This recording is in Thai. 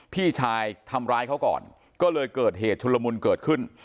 พี่ชายทำร้ายเขาก่อนก็เลยเกิดเหตุชุลมุนเกิดขึ้น